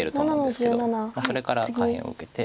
それから下辺を受けて。